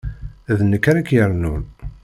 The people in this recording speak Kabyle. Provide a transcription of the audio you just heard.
D nekk ara k-yernun.